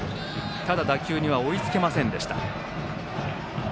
ただ打球には追いつけませんでした。